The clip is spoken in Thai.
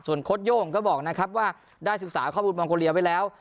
โค้ดโย่งก็บอกนะครับว่าได้ศึกษาข้อมูลมองโกเลียไว้แล้ว